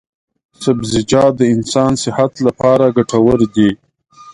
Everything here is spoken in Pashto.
سبزیجات د انسان صحت لپاره ګټور دي.